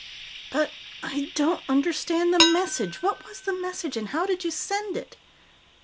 But I don't understand the message. What was the message and how did you send it?"